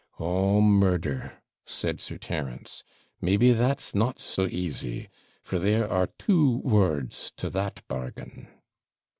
'Oh murder!' said Sir Terence; 'maybe that's not so easy; for there are two words to that bargain.'